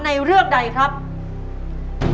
คุณยายแจ้วเลือกตอบจังหวัดนครราชสีมานะครับ